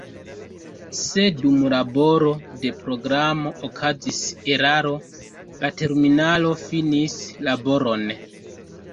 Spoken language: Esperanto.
Se dum laboro de programo okazis eraro, la terminalo finis laboron.